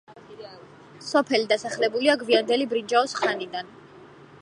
სოფელი დასახლებულია გვიანდელი ბრინჯაოს ხანიდან.